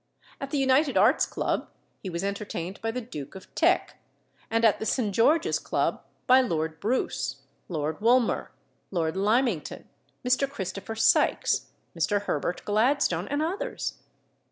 At the United Arts Club he was entertained by the Duke of Teck, and at the St. George's Club by Lord Bruce, Lord Woolmer, Lord Lymington, Mr. Christopher Sykes, Mr. Herbert Gladstone, and others.